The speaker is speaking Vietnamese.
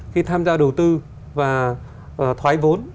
khi tham gia đầu tư và thoái vốn